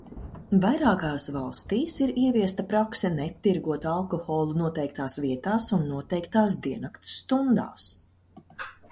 Vairākās valstīs ir ieviesta prakse netirgot alkoholu noteiktās vietās un noteiktās diennakts stundās.